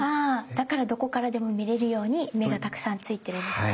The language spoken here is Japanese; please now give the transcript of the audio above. だからどこからでも見れるように目がたくさんついてるんですか。